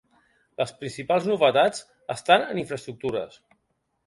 Les principals novetats estan en infraestructures.